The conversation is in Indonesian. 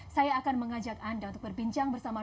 saya akan mengajak anda untuk berbincang bersama